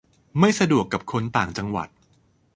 - ไม่สะดวกกับคนต่างจังหวัด